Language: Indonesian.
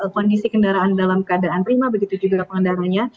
kondisi kendaraan dalam keadaan prima begitu juga pengendaranya